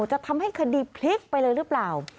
จะทำให้คดีพลิกไปเลยหรือเปล่า